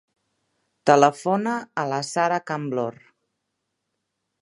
Telefona a la Sara Camblor.